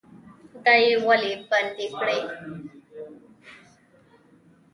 دا یې ولې بندي کړي؟